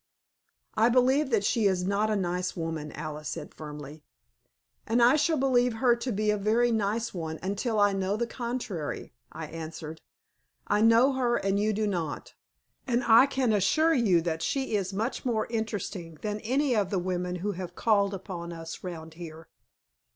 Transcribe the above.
"I believe that she is not a nice woman," Alice said, firmly. "And I shall believe her to be a very nice one until I know the contrary," I answered. "I know her and you do not, and I can assure you that she is much more interesting than any of the women who have called upon us round here."